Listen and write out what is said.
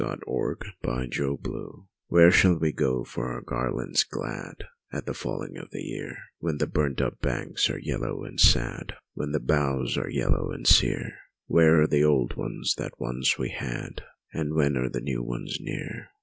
A Song of Autumn "Where shall we go for our garlands glad At the falling of the year, When the burnt up banks are yellow and sad, When the boughs are yellow and sere? Where are the old ones that once we had, And when are the new ones near?